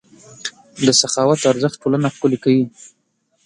د سخاوت ارزښت ټولنه ښکلې کوي.